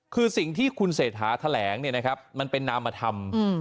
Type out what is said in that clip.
คือสิ่งที่คุณเศรษฐาแถลงเนี่ยนะครับมันเป็นนามธรรม